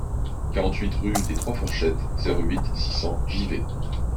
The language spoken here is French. quarante-huit rue des trois Fourchettes, zéro huit, six cents, Givet